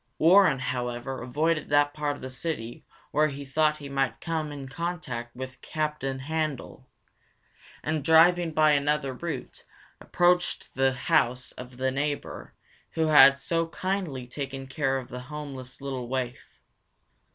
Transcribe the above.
Warren, however, avoided that part of the city where he thought he might come in contact with Captain Handel, and driving by another route, approached the house of the neighbor who had so kindly taken care of the homeless little waif.